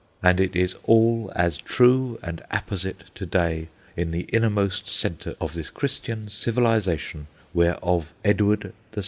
And it is all as true and apposite to day in the innermost centre of this Christian civilisation whereof Edward VII.